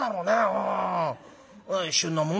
うん。